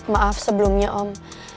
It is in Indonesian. maaf sebelumnya om